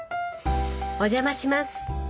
お邪魔します。